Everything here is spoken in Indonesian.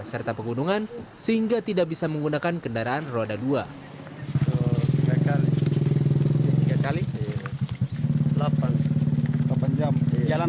serta pegunungan sehingga tidak bisa menggunakan kendaraan roda dua kali